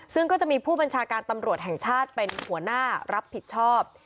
ซึ่งก็จะมีผู้บัญชาการตำรวจแห่งชาติเป็นหัวหน้ารับผิดชอบ